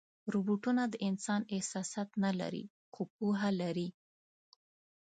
روبوټونه د انسان احساسات نه لري، خو پوهه لري.